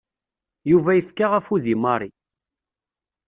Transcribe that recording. Yuba yefka afud i Mary.